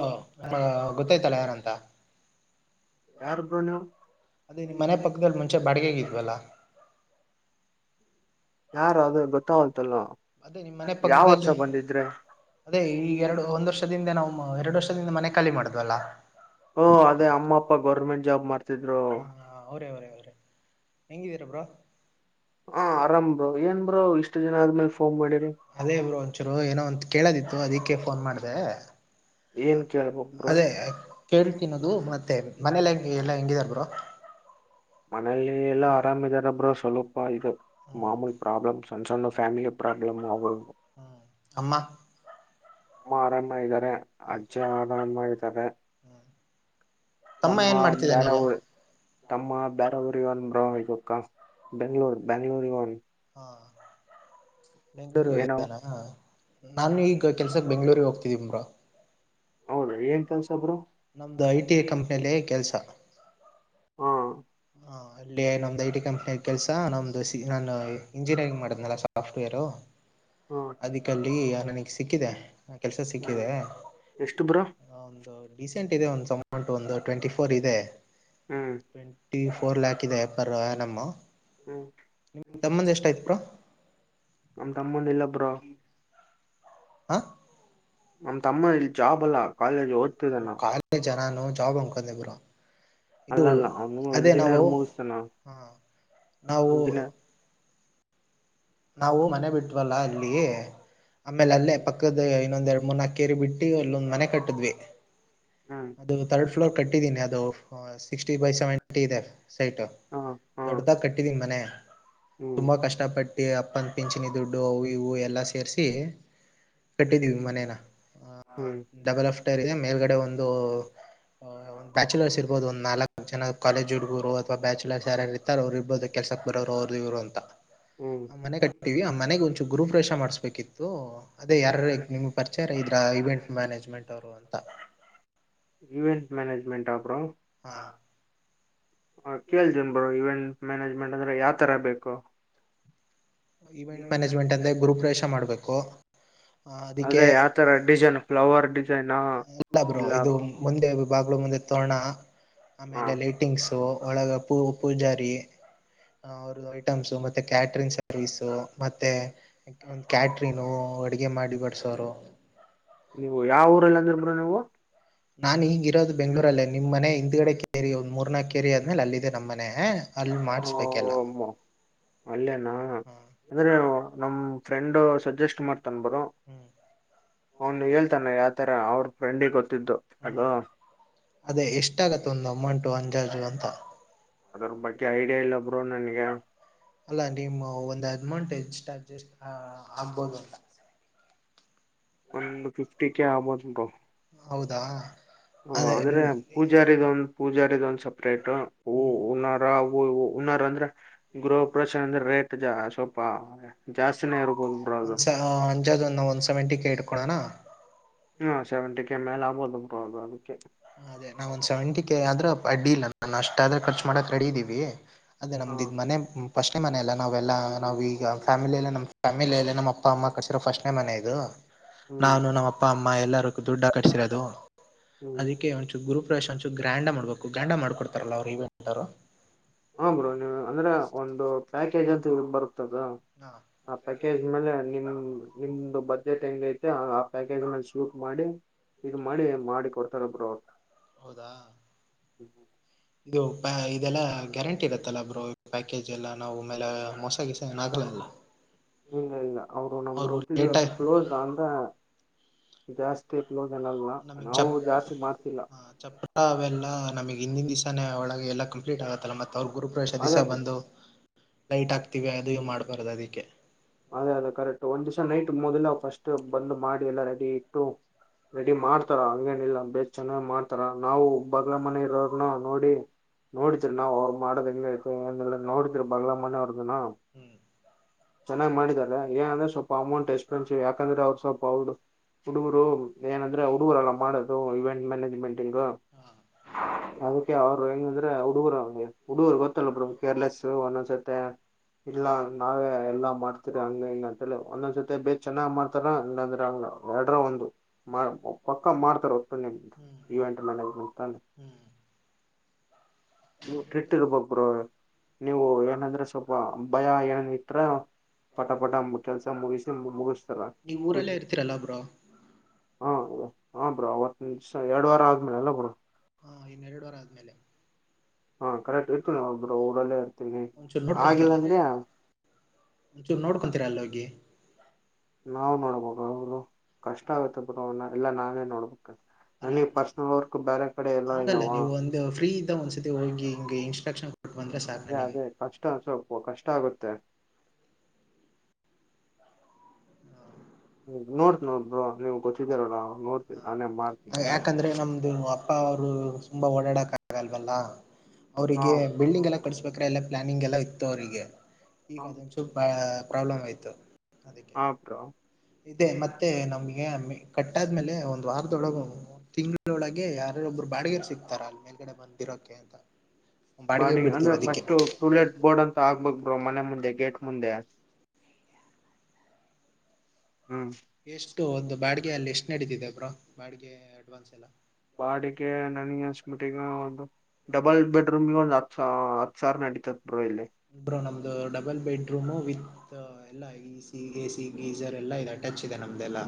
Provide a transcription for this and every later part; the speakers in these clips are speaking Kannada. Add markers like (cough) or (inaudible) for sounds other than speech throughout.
ಹ ನಮ್ಮ ಗೊತ್ತಾಯ್ತಲ್ಲ ಯಾರಂತ ಯಾರು ಬ್ರೋ ನೀವು ಅದೇ ನಿ ಮನೆ ಪಕ್ಕದಲ್ಲಿ ಮುಂಚೆ ಬಾಡಿಗೆಗಿದ್ವಲ್ಲಾ (inaudible) ಯಾರು ಅದು ಬಿಟ್ಟ ಹೊಂಟೆಲ್ಲು ಅದೇ ನಿಮ್ ಮನೆ ಯಾವ ವರ್ಷ ಪಕ್ಕದಲ್ಲಿ ಬಂದಿದ್ರೆ ಅದೇ ಈ ಎರಡು ಒಂದ್ ವರ್ಷದಿಂದ ನಾವು ಎರಡು ವರ್ಷದಿಂದ ಮನೆ ಖಾಲಿ ಮಾಡುದುವಲ್ಲ ಹಓ ಅದೇ ಅಮ್ಮ ಅಪ್ಪ ಗೌರ್ಮೆಂಟ್ ಜಾಬ್ ಮಾಡ್ತಿದ್ದ ಹಾ ಅವರೇ ಅವರೇ ಅವರೇ ಹೆಂಗಿದಿರಾ ಬ್ರೋ ಹ ಆರಾಮ್ ಬ್ರೋ ಏನ್ ಬ್ರೋ ಇಷ್ಟು ದಿನ ಆದ್ಮೇಲೆ ಫೋನ್ ಮಾಡಿರಿ ಅದೇ ಬ್ರೋ ಒಂಚರು ಏನೋ ಒಂತ ಕೇಳದಿತ್ತು ಅದಕ್ಕೆ ಫೋನ್ ಮಾಡಿದೆ ಏನ್ ಕೇಳ್ಬೇಕ್ ಬ್ರೋ ಅದೇ ಕೇಳ್ ತಿನ್ನೋದು ಮತ್ತೆ ಮನೇಲ್ಲ ಹೆಂಗೆ ಎಲ್ಲಾ ಹೆಂಗಿದರ ಬ್ರೋ ಆ ಮನೇೆಲಿ ಎಲಾ ಆರಾಮ ಇದಾರ ಬ್ರೋ ಸ್ವಲ್ಪ ಇದು ಹ್ಮ್ ಮಾಮೂ ಪ್ರಾಬ್ಲಮ್ಸ್. ಸಣ್ಣ ಸಣ್ಣ ಫ್ಯಾಮಿಲಿ ಪ್ರಾಬ್ಲಮ್ ಅವ ಅಮ್ಮ. ಅಮ್ಮರಮ್ಮ ಇದ್ದಾರೆ ಅಜ್ಜಅರಮ್ಮ ಇದ್ದಾರೆ ತಮ್ಮ ಏನ್ ಮಾಡ್ತಿದ್ದಾನೆ ಬೇರೆ ಈಗ ಊರ ತಮ್ಮ ಬೇರವರು ಹೊಗೆನೆ ಬ್ರೋ ಇ ಕ ಬೆಂಗಳೂರು ಬೆಂಗಳೂರು ಹೋಗ್ಯಾನ್ ಹಾ ಬೆಂಗಳೂರಿಗೆ ಏನೋ ಹೋಗಿದ್ದೆ ನಾನು ಈಗ ಕೆಲ್ಸಕ್ ಬೆಂಗಳುರಿಗೆ ಹೋಗ್ತಿದೀನಿ ಬ್ರೋ ಹೌದ ಏನ್ ಕೆಲ್ಸ ಬ್ರೋ ನಮ್ದು ಐ ಟಿ ಕಂಪ್ನಿಯಲ್ಲಿ ಹಾ ಹಾ ಹಾ ಅಲ್ಲಿ ನಮ್ದ್ ಐಟಿ ಕಂಪನಿಯ ಕೆಲ್ಸ ನಮ್ದು ನಾನು ಇಂಜಿನಿಯರಿಂಗ್ ಮಾಡಿದ್ನಲ್ಲ ಸಾಫ್ಟ್ವೇರ್ ಅದಕ್ಕಲ್ಲಿ ನನಗ್ ಸಿಕ್ಕಿದೆ ಕೆಲ್ಸ ಸಿಕ್ಕಿದೆ ಎಷ್ಟು ಬ್ರೋ ಡಿಸೆಂಟ್ ಇದೆ ಒಂದ ಸೆ (unintelligible) ಮೌಂಟ್ ಒಂದು ಟ್ವೆಂಟಿ ಫೋರ್ ಇದೆ. ಹ್ಮ. ಟಿ ಫೋರ್ ಲ್ಯಾಕ್ ಇದೆ ಪರ್ ಏನಮ್ ಹ್ಮ ನಮ್ಮ ತಮ್ಮದ ಇಲ್ಲ ಬ್ರೋ. ಆ ನಮ್ಮ ತಮ್ಮ ಇಲ್ ಜಾಬ್ ಅಲ್ಲಾ ಕಾಲೇ ಕಾಲೇಜ್ ನಾನು ಜಾಬ್ ಅನ್ಕೊಂದೆ ಬ್ರೋ. ಇದು ಅಲ್ಲಲ್ಲ ಅವನು ಅದೇ ನಾವು ಇಂಜಿನಿಯರ್ ಮುಗಿಸ್ತಾನ ಹ ನಾವು ಇಂಜಿನಿಯರ್ ನಾವು ಮನೆ ಬಿಟ್ವಲ್ಲ ಅಲ್ಲಿ ಆಮೇಲೆ ಅಲ್ಲೇ ಪಕ್ಕದ ಇನ್ನೊಂದ ಎರಡ್ ಮೂರ ನಾಕ್ ಕೇರಿ ಬಿಟ್ಟಿ ಅಲ್ಲೊಂದ ಮನೆ ಕಟ್ಟಿದ್ವಿ. ಹ್ಮ್ ಅದು ಥರ್ಡ್ ಫ್ಲೋರ್ ಕಟ್ಟಿದ್ದೀನಿ ಅದು ಅ ಸಿಕ್ಸ್ಟಿ ಬೈ ಸೆವೆಂಟಿ ಇದೆ ಸೈಟ್ ಹಾ ಹಾ ದೊಡ್ಡದಾಗ ಕಟ್ಟಿದೀನ ಮನೆ ಹ್ಮ್ ತುಂಬಾ ಕಷ್ಟ ಪಟ್ಟ ಅಪ್ಪನ ಪಿಂಚಣಿ ದುಡ್ಡು ಅವು ಇವು ಎಲ್ಲಾ ಸೇರ್ಸಿ ಕಟ್ಟಿದಿವಿ ಮನೇನ ಆ ಆ ಹ್ಮ್ ಡಬಲ್ ಆಫ್ಟರ್ ಇದೆ ಮೇಲ್ಗಡೆ ಒಂದು ಒ ಬ್ಯಾಚುಲರ್ಸ್ ಇರ್ಬದು ಒಂದ ನಾಲ್ಕ ಜನ ಕಾಲೇಜ್ ಹುಡುಗರು ಅಥವಾ ಬ್ಯಾಚುಲರ್ಸ್ ಯಾರರ ಇತ ಅವರ ಇಬ್ಬ ಕೆಲಸಕ್ಕ ಬರೋರು ಅವರು ಇರು ಹ್ಮ್ ಆ ಮನೆ ಕಟ್ಟೀವಿ ಆ ಮನೆಗ ಒಂಚು ಗುರು ಪ್ರವೇಶ ಮಾಡ್ಸ್ಬೇಕಿತ್ತು. ಅದೇ ಯಾರಾರ ನಿಮ್ ಪರಿಚರ ಇದ್ರ ಇವೆಂಟ್ ಮ್ಯಾನೇಜ್ಮೆಂಟ್ ಅವರು ಅಂತ ಈವೆಂಟ್ ಮನೇಜ್ಮೆಂಟ್ ಬ್ರೋ. ಹ್ಞಾ. ಹ ಕೇಳ್ತನ್ ಬ್ರೋ ಇವೆಂಟ್ ಮ್ಯಾನೇಜ್ಮೆಂಟ್ ಅಂದ್ರ ಯಾವ ತರಬೇಕು. ಈವೆಂಟ್ ಮ್ಯಾನೇಜ್ಮೆಂಟ್ ಅಂದ್ರೆ ಗ್ರೂ ಪ್ರವೇಶ ಮಾಡ್ಬೇಕು. ಆ ಅದಿಕ್ಕೆ ಅದೇ ಯಾತರ ಡಿಸೈನ್ ಫ್ಲವರ್ ಡಿಸೈನಾ ಇಲ್ಲ ಬ್ರೋ ಇದು ಮುಂದೆ ವಿಭಾಗಲು ಮುಂದೆ ತೋಣ ಹ ಆಮೇಲೆ ಲೈಟಿಂಗ್ಸು ಒಳಗ ಪೂ ಪೂಜಾರಿ ಅವ್ರ ಐಟಮ್ಸ್ ಮತ್ತೆ ಕ್ಯಾಟ್ರಂಗ್ ರೈಸ್ ಮತ್ತೆ ಕ್ಯಾಟ್ರನ ಅಡಿಗೆ ಮಾಡಿ ಬಡಸೋರು. ನೀವು ಯಾವ ಊರಲ್ಲಿ ಅಂದ್ರಿ ಬ್ರೋ ನೀವು ನಾನ್ ಈಗ ಇರೋದ್ ಬೆಂಗ್ಳೂರಲ್ಲೇ ನಮ ಮನೆ ಹಿಂದ್ಗಡೆ ಕೇರಿ ಒಂದ್ ಮೂರನಾಕ ಕೇರಿ ಆದ್ಮೇಲೆ ಅಲ್ಲಿದೆ ನಮ್ಮನೆ ಮ್ಯ ಹಮ್ಮ ಅಲ್ಲೇನಾ ಹಾ ಅಂದ್ರ ನಮ್ಮ ಫ್ರೆಂಡ್ ಸಜೆಸ್ಟ್ ಮಾಡ್ತಾನ ಬ್ರೋ. ಹ್ಮ. ಅವ್ನ ಹೇಳ್ತಾನೇ ಯಾತರ ಅವ್ರ ಫ್ರೆಂಡಿಗ ಗೊತ್ ಅದೇ ಎಷ್ಟ ಆಗತ್ತ ಒಂದು ಅಮೌಂಟು ಅಂಜಾಜು ಅಂತ ಅದ್ರ ಬಗ್ಗೆ ಐಡಿಯಾ ಇಲ್ಲ ಬ್ರೋ ನನ್ಗೆ ಅಲ್ಲ ನೀಮ್ಮ ಒಂದ್ ಅಮೌಂಟ್ ಎಷ್ಟ ಅಡ್ಜಸ್ಟ್ ಆ ಆಗ್ಬೋದು ಅಂತ ಒಂದು ಫಿಫ್ಟಿ ಕೆ ಆಗಬೋದು ಬ್ರೋ. ಹೌದಾ. ಹ ಅದೇ ಅಂದ್ರೆ ಹ್ಮ್ ಪೂಜಾರ ಇದ ಒಂದ್ ಪೂಜಾರಿದ ಒಂದ್ ಸಪ್ರೇಟ್ ಹೂ ಹುನಾರ ಹ ಹುನಾರ ಅಂದ್ರೆ. ಗೃಹ ಪ್ರಸನ್ನ (unintelligible) ಜಾಸ್ತಿನೇ ಇರ್ಬೋದ ಬ್ರೋ ಅದು. ಸವೆಂಟ ಕ ಇಟ್ಕೋಳೋಣ. ಹಾ ಸೆವೆಂಟಿ ಕೆ ಮೇಲ ಆಗ್ಬೋದು ಬ್ರೋ ಅದು ಅದಕ್ಕೆ ಅದೇ ನಾವ ಒಂದ್ ಸೆವೆಂಟಿ ಕೆ ಆದ್ರ ಅಡ್ಡಿ ಇಲ್ಲ ನಾನ್ ಅಷ್ಟಾದ್ರ ಖರ್ಚ ಮಾಡಕ್ ರೆಡಿ ಇದೀವಿ. ಅದೇ ಹ ನಮ್ದಿದ ಮನೆ ಫಸ್ಟ್. ಮನೇಲ ನಾವೆಲ್ಲ ನಾವ ಈಗ ಫ್ಯಾಮಿಲಿ ಎಲ್ಲ ನಮ್ಮ ಫ್ಯಾಮಿಲಿ ಅಲೆ ನಮ್ಮ ಅಪ್ಪ ಅಮ್ಮ ಕಟ್ಟಸರೋ ಫಸ್ಟ್ನೇ ಮನೆ ಇದು. ಹ್ಮ್ ನಾನು ನಮ್ಮ ಅಪ್ಪ ಅಮ್ಮ ಎಲ್ಲರು ದುಡ್ಡ ಕಟ್ಟಿಸಿರೋದು. ಹ್ಮ್ ಅದಕ್ಕೆ ಒಂಚು ಗುರುಪ್ರವೇಶ ಒಂಚು ಗ್ರ್ಯಾಂಡ ಆಗಿ ಮಾಡ್ಬೇಕು ಗ್ರಾಂಡ ಮಾಡ್ಕೊಡ್ತಾರಲ್ಲ ಅವರ ಇವೆಂಟ್ ಅವರು ಹಾ ಬ್ರೋ ನೀವ ಅಂದ್ರ ಒಂದು ಪ್ಯಾಕೇಜ್ ಅಂತ ಬರು ತ ಹಾ ಆ ಪ್ಯಾಕೇಜ್ ಮೇಲೆ ನಿ. ನಿಮ್ದ ಬಡ್ಜೆಟ್ ಹೆಂಗ ಐತೆ ಆ ಪ್ಯಾಕೇಜ್ ನ ಶೂಟ್ ಮಾಡಿ. ಇದು ಮಳೆ ಮಾಡಿ ಕೊಡ್ತಾರ ಬ್ರೋ ಅವರು. ಹೌದಾ. ಹ್ಮ್ ಹ್ಮ. ಇದು ಇದೆಲ್ಲಾ ಗ್ಯಾರಂಟಿ ಇರತ್ತಲ್ಲ ಬ್ರೋ ಪ್ಯಾಕೇಜ್ ಎಲ್ಲ ನಾವು. (unintelligible) (unintelligible) ಈ ಈ ಅವರು ನಮ್ಮ್ ಹೊತ್ತ ಕ್ಲೋಸ್ ಆಂತ ಜಾಸ್ತಿ. ಕ್ಲೋಸ್ ಅನ್ನಲ್ಲ ನಮಗ್ ಚ ನಾವು ಜಾಸ್ತಿ ಮಾಡ್ತಿಲ್ಲ ಚಪ್ಪಳ ಅವೆಲ್ಲಾ ನಮಗ್ ಹಿಂದಿನ ದಿವ್ಸಾನ ಒಳಗೆ ಎಲ್ಲ. ಕಪ್ಲೀಟ್ ಆ ತಮತಿ. ಅವರ ಗೃಹ ಪ್ರವೇಶ ಅದೇ ದಿವಸ ಬಂದು ಲೈಟ್ ಆಕ್ತಿವಿ ಅದು ಮಾಡ್ಬಾರದು ಅದಕ್ಕೆ. ಅದೇ ಅದೇ ಕರೆಕ್ಟ್ ಒಂದ್ ದಿವಸ ನೈಟ್ ಮೊದಲ ಫಸ್ಟ್ ಬಂದು ಮಾಡಿ. ಎಲ್ಲ ರೆಡಿ ಇಟ್ಟು ರೆಡಿ ಮಾಡ್ತಾರ ಹಂಗೇನಿಲ್ಲ ಚೆನಗಿ ಮಾಡ್. ತರ ನಾವು ಬಗ್ಲ ಮನೆ ಇರೋರನ್ನ ನೋಡಿ. ನೋಡತ್ರಣ ಅವ ಮಾಡೋದಂಗ ನೋಡಿದ್ರ. (unintelligible) ಹ್ಮ್ ಚೆನ್ನಾಗ್ ಮಾಡಿದ್ದಾರೆ ಏನಂದ್ರೆ ಸ್ವಲ್ಪ ಅಮೌಂಟ್ ಎಕ್ಸ್ಪೆನ್ಸಿವ್ ಯಾಕಂದ್ರೆ ಅವ್ರರು ಸ್ವಲ್ಪ ಔಡು. ಹುಡುಗರು ಏನಂದ್ರೆ ಹುಡುಗರುಲ್ಲ ಮಾಡದು ಇವೆಂಟ್ ಮ್ಯಾನೇಜ್ಮೆಂಟಿಂಗ. ಹಾ ಅದಕ್ಕೆ ಅವರು ಹೆಂಗಂದ್ರೆ ಹುಡುಗರು ಅವರಂಗೆ ಹುಡುಗರ್ ಗೊತ್ತಲ್ಲ ಬಿಡ ಕೇರ್ಲೆಸ್ ಒಂದೊಂದ್ಸತ್ತೆ. ಇಲ್ಲ ಹಾ ನಾವೇ ಎಲ್ಲ. ಮಾಡ್ತರಿ ಹಂಗ ಇಂಗ ಅಂತ ಹೇಳ ಒಂದೊಂದ್ ಸತಿ ಬೇ ಚೆನ್ನಾಗ್ ಮಾಡ್ತಾರ ಇಲ್ಲ ಅಂದ್ರ ಹಂಗ ಎರಡ ರಿ ಒಂದು. ಪಕ್ಕ ಮಾಡ್ತಾರ ಹೊತ್ತು ನಿಮ್ದು ಹ್ಮ್ ಈವೆಂಟ್ ಮ್ಯಾನೇಜ್ಮೆಂಟ್. ಹ್ಮ್ ನೀವು ಟ್ರೀಟ್ ಇಇರಬೇಕು ಬ್ರೋ ನೀವು ಏನಂದ್ರೆ ಸ್ವಲ್ಪ ಭಯ ಏನಾದ್ರ ಇದ್ರ. ಪಟಾಪಟಾ ಮುಟ್ಟಸ ಮುಗಿಸಿ ಮುಗಿಸತರ. ನೀವ್ ಹ್ಮ್ಮ್ ಊರಲ್ಲೇ ಇರ್ತೀರಲ್ಲ ಬ್ರೋ ಹ್ಮ್ಮ್ ಬ್ರೋ ಅವತ್ತು. ಹ್ಮ ಎರಡು ವಾರ ಆದಮೇಲೆ ಎಲ್ಲಾ ಬರುತ್ತ. ಹಾ ಇನ್ನೆರಡು ವಾರ ಆದ್ಮೇಲೆ ಹಾ ಕರೆಕ್ಟ್ ಇಟ್ಟು ನೀ ಬ್ರೋ ಊರಲೆ ಇರ್ತೀನಿ ಆಗಿಲ್ಲ ಅಂದ್ರಯ. ಒಂಚೂರು ನೋಡ್ಕೊಂತೀರಾ ಅಲ್ಲ ಹೋಗಿ. ನಾವ್ ನೋಡಬೇಕಾ ಅವರು ಕಷ್ಟ ಆಗುತ್ತೆ ಬ್ರೋ ಅವನ್ನ ಎಲ್ಲಾ ನಾವೇ ನೋಡಬೇಕು. ಅ ಎಲ್ಲ ಹಂಗಲ್ಲ ಇದಾವ ನೀವು ಒಂದು ಫ್ರೀ ಇದ ಒಂದ್ಸತಿ ಹೋಗಿ ಇನ್ಸ್ಪೆಕ್ಷನ್. ಅದೇ ಅದೇ ಕಷ್ಟ ಸ್ವಲ್ಪ ಕಷ್ಟ ಆಗುತ್ತೆ. ಹ್ಮ ನೋಡ್ತ ನೋಡ ನೀವ್ ಕೊತಿದ್ದೀರಲ್ಲ ನೋಡ್ತನಿ. ಯಾಕಂದ್ರೆ ನಮ್ದು ಅಪ್ಪ ಅವರು ತುಂಬಾ ಓಡಾಡಕ ಆಗಲ್ವಲ್ಲ. ಹ ಅವ್ರರಿಗೆ ಬಿಲ್ಡಿಂಗ್ ಎಲ್ಲ ಕಡಿಸಬೇಕ್ರೆ ಎಲ್ಲ ಪ್ಲಾನಿಂಗ್ ಎಲ್ಲಾ ಇತ್ತು ಅವರಿಗೆ. ಈಗ ಅದೊಂದು ಚೂರು ಪ್ರಾಬ್ಲಮ್ ಆಯ್ತು. ಅದಕ್ಕೆ ಹಾ ಬ್ರೋ ಇದೆ ಮತ್ತೆ ನಮ್ಗೆ ಕಟ್ಟಾದ್ಮೇಲೆ ಒಂದು ವಾರದ. (unintelligible) ತಿಂಗಳೊಳಗೆ ಯಾರಾರ ಒಬ್ಬರು ಬಾಡಿಗೆ ಸಿಗ್ತಾರ ಅಲ್ ಮೇಲ್ಗಡೆ ಬಂದಿರೋಕ ಅಂತ. ಬಾಡಿಗೆ ಅಂದ್ರೆ ಬಿಡ್ತೀವಿ ಅದಕ್ಕೆ ಫಸ್ಟ್ ಟೂಲೆಟ್ ಬೋರ್ಡ್ ಅಂತ ಹಾಕಬೇಕ ಬ್ರೋ ಮನೆ ಮುಂದೆ ಗೇಟ್ ಮುಂದೆ. ಹ್ಮ್ ಎಷ್ಟು ಒಂದು ಬಾಡಿಗೆ ಅಲ್ಲಿ ಎಷ್ಟು ನಡೀತಿದೆ ಬ್ರೋ ಬಾಡಿಗೆ ಅಡ್ವಾನ್ಸ್ ಎಲ್ಲ. ವಾಡಿಗೆ ನನಗ ಅನಿಸಿದಂಗ ಒಂದು ಡಬಲ್ ಬೆಡ್ರೂಮ್ಗೆ ಒಂದು ಹತ್ತು. (unintelligible) ಸ ಹತ್ ಸಾರ್ ನಡಿತದ ಬ್ರೋ ನಮ್ದು ಡಬಲ್ ಬೆಡ್ರೂಮ್ ವಿತ್ ಎಲ್ಲ E C A C geyser ಎಲ್ಲಾ ಇದೆ ಟಚ್ ಇದೆ ನಮ್ದೆಲ್ಲಾ.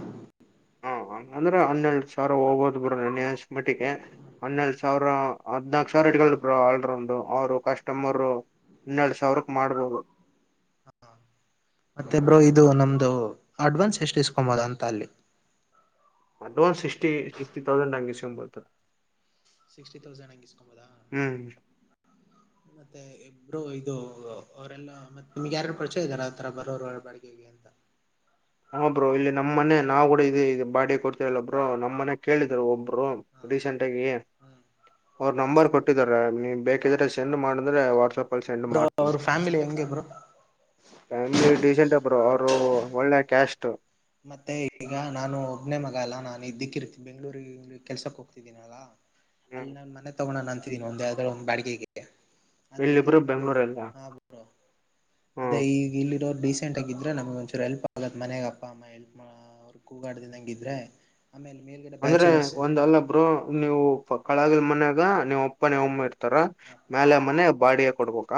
ಅಂದ್ರೆ ಹನ್ನೆರಡ ಸಾವಿರ ಹೋಗಬೋದು. (unintelligible) ಮಟ್ಟಿಗೆ ಹನ್ನೆರಡು ಸಾವಿರ ಹದಿನಾಲ್ಕು. (unintelligible) ಆಲ್ರೌಂಡ್ ಅವರು ಕಸ್ಟಮರ ಇನ್ನೆರಡು ಸಾವಿರಕ ಮಾಡಬಹುದು. (inaudible) ಮತ್ತೆ ಬ್ರೋ ಇದು ನಮ್ದು ಅಡ್ವಾನ್ಸ್ ಎಷ್ಟು ಇಸ್ಕೊಬೋದು ಅಂತ ಅಲ್ಲಿ. ಅಡ್ವಾನ್ಸ್ ಸಿಕ್ಸ್ಟಿ ಸಿಕ್ಸ್ಟಿ ತೌಸಂಡ್ ಹಂಗಗೆ ಇಸ್ಕೊಂಡು ಬಿಡ್ತಾರೆ. ಸಿಕ್ಸ್ಟಿ ತೌಸ್ ಅಂಗ ತಗೋಬಹುದಾ. ಮತ್ತೆ ಇಬ್ರು ಇದು ಅವರೆಲ್ಲ ಮತ್ತೆ ನಿಮ್ಗೆ ಯಾರದ್ರು ಪರಿಚಯ ಇದಾರ ಆತರ ಬರೋರುರ ಬಾಡಿಗೆಗೆ ಅಂತ ಹಾ ಬ್ರೋ ಇಲ್ಲಿ ನಮ್ಮ ಮನೆ ನಾವು ಕೂಡ ಇದೆ ಬಾಡಿಗೆ ಕೊಡ್ತ ಎಲ್ಲಾ ಬ್ರೋ ನಮ್ಮ ಮೊನ್ನೆ ಕೇಳಿದ್ರು ಒಬ್ರು ಹ ರೀಸೆಂಟ್ ಆಗಿ ಹ್ಮ್ ಅವ್ರ ನಂಬರ್ ಕೊಟ್ಟಿದಾರ ನೀ ಬೇಕಿದ್ರೆ ಸೆಂಡ್ ಮಾಡಂದ್ರೆ ವಾಟ್ಸಪ್ ಅಲ್ಲಿ send ಮಾಡ್ತಿನೀ (inaudible) ಎಂಗೆ group family decent bro ಅವರು ಒಳ್ಳೆ ಕ್ಯಾಸ್ಟ್ ಇದಿಕ್ಕಿರು (inaudible) ಬೆಂಗ್ಗಳೂರಿಗೆ ಕೆಲ್ಸಕ್ಕೆ ಹೋಗ್ತಿದ್ದೀನಲ್ಲ ಹ್ಮ್ ಅಲ್ಲಿ ನ (inaudible) ಮ ತಗೋಳಣ ಅಂತಿದ್ದೀನಿ ಒಂದ ಯಾವ್ದಾದ್ರೂ ಒಂದು ಬಾಡಿಗೆಗೆ ಅದ ಇಲ್ಲಿಬ್ರು ಬೆಂಗ್ಳೂರಲ್ಲ ಹ (unintelligible) ಬ ಹ್ಮ ಅದೇ ಈಗ ಎಲ್ಲಿರೋರು ಡೀಸೆಂಟ್ ಆಗಿದ್ರೆ ನಮ್ಗೆ ಒಂಚರು ಎಲ್ಪ್ ಆಗತ್ ಮನ್ಯಾಗ ಅಪ್ಪ ಅಮ್ಮ (unintelligible) ಹೆಲ್ಪ್ ಅವ್ರರು ಕೂಗಾಡ್ದಿಂದಂಗಿದ್ರೆ ಅಂದ್ರೆ ಒಂದಲ್ಲ ಬ್ರೋ ನೀವು (unintelligible) ಕಳಗಲ್ ಮನ್ಯಾಗ ನೀವ್ ಅಪ್ಪ ನಿವ್ಮ್ಮ ಇರ್ತಾರ ಮ್ಯಲೆ ಮನೆ ಬಾಡಿಗೆಗೆ ಕೊಡ್ಬೇಕ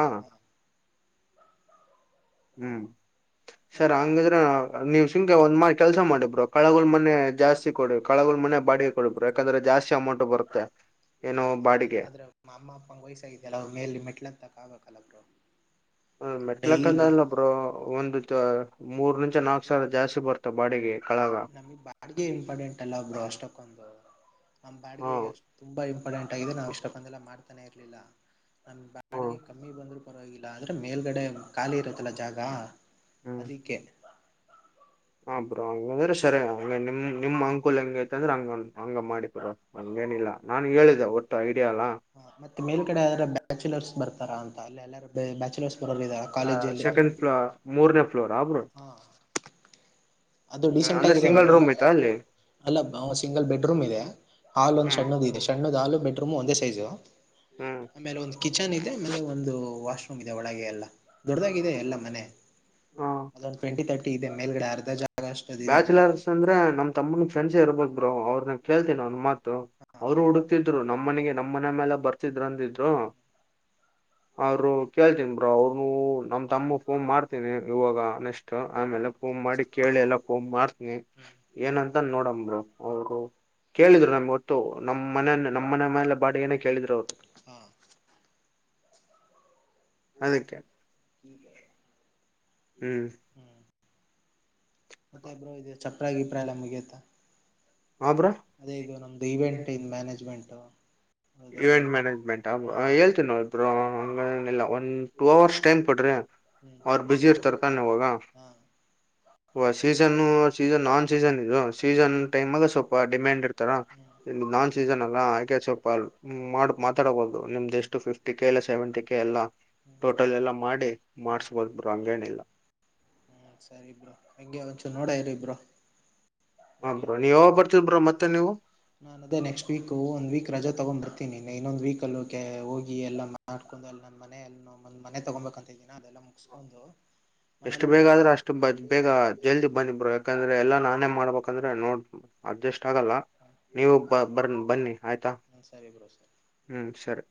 ಹ್ಮ್ ಸರ್ ಹಂಗಿದ್ರ ನೀವ್ ಸುಮ್ನೆ ಒಂದ್ (unintelligible) ಮಾರ ಕೆಲ್ಸ ಮಾಡಿ ಬ್ರೋ ಕಳಗಲ್ ಮನೆ ಜಾಸ್ತಿ ಕೊಡಿ ಕಳಗ ಮ್ಮನೆ ಬಾಡಿಗೆ ಕೊಡಿ ಬ್ರೋ ಯಾಕಂದ್ರೆ ಜಾಸ್ತಿ ಅಮೌಂಟ್ ಬರುತ್ತೆ ಏನೋ ಬಾಡಿಗೆ ಆದ್ರ ಅಮ್ಮ ಅಪ್ಪಂಗ ವಯಸ್ಸಾಗಿದ್ಯಲ್ಲ ಅವ್ರ ಮೇಲೆ ಮೆಟ್ಲ ಅಂತಕ್ ಆಗ್ಬೇಕಲ್ಲ ಬ್ರೋ ಹ (unintelligible) ಡೈಲಿ ಮೆಟ್ಲಕ್ಕಂದನಬ್ರು ಒಂದು ಮೂರ್ ನಿಂಚ ನಾಲ್ಕು ಸಾವಿರ ಜಾಸ್ತಿ ಬರ್ತವ ಬಾಡಿಗೆ ಕಳಗ ನಮಗ್ ಬಾಡಿಗೆ ಇಂಪಾರ್ಟೆಂಟ್ ಅಲ್ಲ ಬ್ರೋ ಅಷ್ಟಕ್ಕೊಂದು ನಮ್ಮ್ ಬಾಡಿಗೆಷ್ಟ ತುಂಬಾ ಇಂಪಾರ್ಟೆಂಟ್ ಆಗಿದ್ರೆ ನಾ ಇಷ್ಟ ಬಂದೆಲ್ಲ ಮಾಡ್ತಾನೇ ಇರ್ಲಿಲ್ಲ ನನ್ ಹ್ಮ್ ಬಾಡಿಗೆ ಕಮ್ಮಿ ಬಂದ್ರೂ ಪರವಾಗಿಲ್ಲ ಆದ್ರೆ ಮೇಲ್ಗಡೆ ಖಾಲಿ ಇರುತ್ತಲ್ಲ ಜಾಗ ಅದೀಕ್ಕೆ ಹ ಬ್ರೋ ಹಂಗಂದ್ರೆ ಸರಿ ಹಂಗ ನಿಮ್ ನಿಮ್ ಅಂಕೂಲ್ ಹೆಂಗ ಐತ್ಂದ್ರೆ ಹಂಗ ಹಂಗ ಮಾಡಿ ಬ್ರೋ ಅಂಗೇನಿಲ್ಲ ನಾನು ಹೇಳಿದ್ದ ಒಟ್ಟು ಐಡಿಯಾ ಅಲ್ಲಾ ಹ ಮತ್ತೆ ಮೇಲ್ಗಡೆ ಯಾರ ಬ್ಯಾಚುಲರ್ಸ್ (unintelligible) ಅಂತ ಅಲ್ಲಿ ಎಲ್ಲ ಬ್ಯಾಚುಲರ್ಸ್ (unintelligible) ಕಾಲೇಜಲ್ಲಿ ಸೆಕೆಂಡ್ ಫ್ಲೋ ಮೂರನೇ ಫ್ಲೋರಾ ಬ್ರೋ (inaudible) ಹ ಅದು ಡಸೆಂಟ್ ಅಂದ್ರೆ ಆಗಿದೆ ಸಿಂಗಲ್ ಬ್ರೋ ರೂಮ್ ಐತಾ ಅಲ್ಲಿ ಅಲ್ಲ ಸಿಂಗಲ್ ಬೆಡ್ರೂಮ್ ಇದೆ ಹಾಲ್ ಒಂದ್ ಹ್ಮ್ ಸಣ್ಣುದು ಇದೆ ಸಣ್ಣದ ಹಾಲು ಬೆಡ್ರೂಮ್ ಒಂದೇ ಸೈಜು ಹ್ಮ್ ಕಿಚನ್ ಇದೆ ಮತ್ತೆ ಒಂದು ವಾಶ್ರೂಮ್ ಇದೆ ಒಳಗೆ ಎಲ್ಲ ದೊಡ್ಡದಾಗಿದೆ ಎಲ್ಲ ಮನೆ ಹ ಅದೊಂದು ಟ್ವೆಂಟಿ ತರ್ಟಿ ಇದೆ ಮೇಲ್ಗಡೆ ಅರ್ಧ ಜ (inaudible) ಬ್ಯಾಚಲರ್ಸ್ ಅಂದ್ರೆ ನಮ್ ತಮ್ಮನ ಫ್ರೆಂಡ್ಸ್ ಇರ್ಬೇಕು ಬ್ರೋ ಅವ್ರನ ಕೇಳ್ತೀನೀ ಒಂದು ಮಾತು ಅವರು (inaudible) ಹುಡುತಿದ್ರು ನಮ್ಮ್ನೆಗೆ ನಮ್ಮ ಮನೇ ಮೇಲ್ಲ ಬರ್ತಿದ್ರು ಅಂದಿದ್ರು ಅವರು ಕೇಳ್ತನೀ ಬ್ರೋ ಅವರು ನಮ್ ತಮ್ಮ ಫೋನ್ ಮಾಡ್ತೀನಿ ಇವಾಗ ನೆಕ್ಟ್ ಆಮೇಲೆ ಫೋನ್ ಮಾಡಿ ಕೇಳಿ ಎಲ್ಲ ಫೋನ್ ಮಾಡ್ತನಿ ಏನಂತ ನೋಡೋಣ ಬ್ರೋ ಅವ್ರು (inaudible) ಕೇಳಿದ್ರು ನಂಗೊತ್ತು ನಮ್ಮ್ ಮನ ನಮ್ಮ ಮನೆ ಮೇಲೆ ಬಾಡಿಗೆನೆ ಕೇಳಿದ್ರು ಅವರು (unintelligible) ಹಾ ಅದಕ್ಕೆ ಹ್ಮ್ ಮತ್ತೆ ಬ್ರೋ ಇದದೆ ಚಪ್ರಾಗಿ ಗಿಪ್ರ ಎಲ್ಲ ಮುಗೀತಾ ಹಾ ಬ್ರೋ ಅದೇ ಇದು ನಮ್ದು ಇವೆಂಟ್ ನ್ ಮ್ಯಾನೇಜ್ಮೆಂಟ್ ಹೌದಾ ಇವೆಂಟ್ ಮ್ಯಾನೇಜ್ಮೆಂಟ್ ಹಾ ಹೇಳ್ತೀ ನ ಬ್ರೋ ಅಂಗೇನಿಲ ಟೂ ಅವರ್ಸ್ ಟೈಮ್ ಕೊಡ್ರಿ ಹ್ಮ್ ಅವ್ರ ಬ್ಯುಸಿ ಇರ್ತಾರ ತನೆ ಇವಗ ಹಾ ಹಓ ಸೀಸನ್ ಸೀಸನ್ ನಾನ್ ಸೀಸನ್ ಇದು ಸೀಸನ್ ಟೈಮಗ ಸ್ವಲ್ಪ ಡಿಮ್ಯಾಂಡ್ ಇಡ್ತರ ಹ್ಮ್ ಹ್ಮ್ ಇಲ್ಲಿ ನಾನ್ ಸೀಸನ್ (unintelligible) ಅಲ್ಲಾ ಯಾಕೆ ಚೊಪ್ಪಾಲ್ ಹ್ಮ್ ಮಾಡ್ ಮಾತಾಡಬಹುದು ನಿಮ್ದ್ ಎಷ್ಟು ಫಿಫ್ಟಿ ಕೆ ಇಲ್ಲ ಸೆವೆಂಟಿ ಕೆ ಎಲ್ಲ ಹ್ಮ್ ಟೋಟಲ್ ಎಲ್ಲ ಮಾಡಿ ಮಾಡಿಸಬಹುದು ಬ್ರೋ ಹಂಗೇನಿಲ್ಲ ಹ್ಮ್ ಸರಿ ಬ್ರೋ ಅಂಗೆ ಒಂಚು ನೋಡ ಇರಿ ಬ್ರೋ ಹ ಬ್ರೋ ನೀವ್ ಯಾವಾಗ ಬರ್ತೀರಿ ಬ್ರೋ ಮತ್ತೆ ನೀವು (inaudible) ನಾನು ಅದೇ ನೆಕ್ಸ್ಟ್ ವೀಕ್ ಒಂದ್ ವೀಕ್ ರಜಾ ತಗೊಂಡ್ ಬಿಡ್ತೀನಿ (unintelligible) ಇನ್ನೊಂದು ವೀಕ್ ಅಲ್ಲಿ ಹೋಗಿ ಎಲ್ಲಾ ಮಾಡ್ಕೊಂಡು ಎಲ್ಲ (inaudible) ಮನ (inaudible) ಒಂದ್ ಮನೆ ತಗೊಬೇಕಂತ ಇದೀನಿ ಅಲ್ಲೆಲ್ಲ ಮುಗಸ್ಕೊಂಡು ಎಷ್ಟು ಬೇಗಾದ್ರೆ ಅಷ್ಟು ಬೇಗ ಜಲ್ದಿ ಬನ್ನಿ ಬ್ರೋ ಯಾಕಂದ್ರೆ ಎಲ್ಲಾ ನಾನೇ ಮಾಡ್ಬೇಕಂದ್ರೆ (unintelligible) ನೋಡ್ಬ ಅಡ್ಜಸ್ಟ್ ಆಗಲ್ಲ ನೀವು ಬ ಬರ್ ಬನ್ನಿ ಆಯ್ತಾ ಸರಿ ಬ್ರೋ ಸರಿ ಹ್ಮ್ ಸರೆ